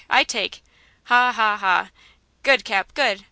I take! ha ha ha! Good, Cap, good!